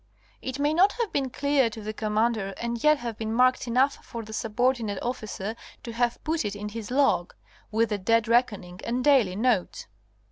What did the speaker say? It may not have been clear to the commander and yet have been marked enough for the subordinate officer to have put it in his log, with the dead reckoning and daily notes.